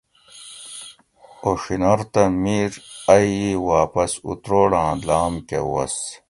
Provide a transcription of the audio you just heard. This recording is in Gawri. اوڛینور تہ میر ائی ای واپس اتروڑا لام کہ وس